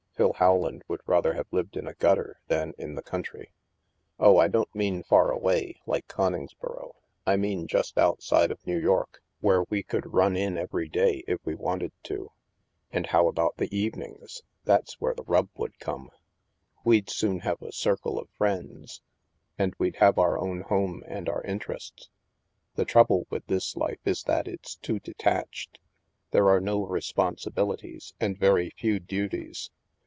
(Phil Rowland would rather have lived in a gutter than in the country.) THE MAELSTROM 191 "Oh, I don't mean far away, like Coningsboro. I mean just outside of New York, where we could run in every day, if we wanted to." ^" And how about the evenings ? That's where the rub would come." " We'd soon have a circle of friends. And we'd have our own home and our interests. The trouble with this life is that it's too detached; there are no responsibilities and very few duties.